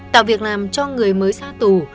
tạo việc làm cho người mới ra tù